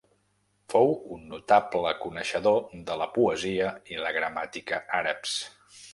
Fou un notable coneixedor de la poesia i la gramàtica àrabs.